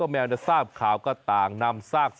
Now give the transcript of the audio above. ที่จังหวัดอุตรดิษฐ์บริเวณสวนหลังบ้านต่อไปครับ